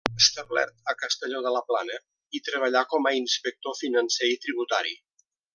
Establert a Castelló de la Plana, hi treballà com a inspector financer i tributari.